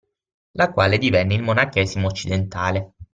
La quale divenne il monachesimo occidentale.